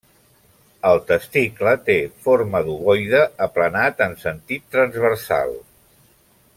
El testicle té forma d'ovoide aplanat en sentit transversal.